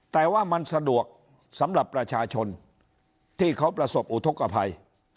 แต่ว่ามันสะดวกสำหรับประชาชนที่เขาประสบอุทธกภัย